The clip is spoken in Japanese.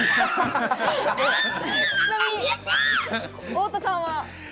太田さんは？